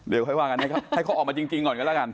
เดี๋ยวค่อยว่ากันนะครับให้เขาออกมาจริงก่อนกันแล้วกัน